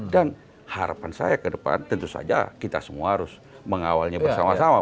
dan harapan saya ke depan tentu saja kita semua harus mengawalnya bersama sama